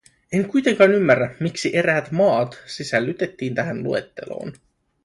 En kuitenkaan ymmärrä, miksi eräät maat sisällytettiin tähän luetteloon.